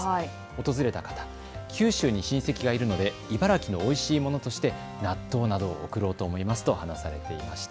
訪れた方は九州に親戚がいるので茨城のおいしいものとして納豆などを贈ろうと思いますと話されていました。